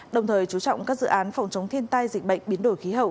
đồng thời chú trọng các dự án phòng chống thiên tai